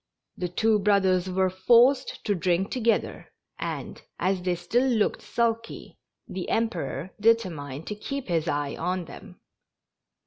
The two brothers were forced to drink together, and, as they still looked sulky, the Emperor determined to keep his eye on them.